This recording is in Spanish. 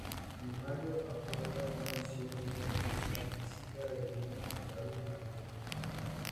Luis Mayo aporta una visión un tanto metafísica de algunos enclaves madrileños.